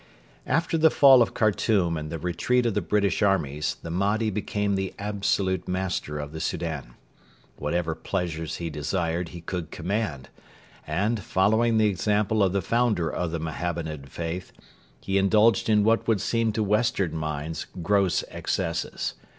After the fall of Khartoum and the retreat of the British armies the Mahdi became the absolute master of the Soudan. Whatever pleasures he desired he could command, and, following the example of the founder of the Mohammedan faith, he indulged in what would seem to Western minds gross excesses.